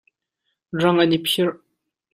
Rang an i phirh.